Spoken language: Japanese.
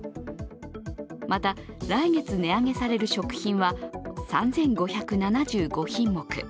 また来月値上げされる食品は３５７５品目。